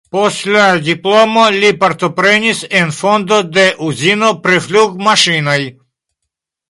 Post la diplomo li partoprenis en fondo de uzino pri flugmaŝinoj.